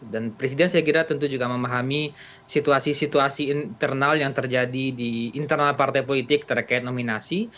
dan presiden saya kira tentu juga memahami situasi situasi internal yang terjadi di internal partai politik terkait nominasi